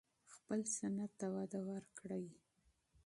خپل صنعت ته وده ورکړئ.